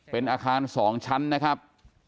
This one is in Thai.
เป็นอาคาร๒ชั้นนะครับ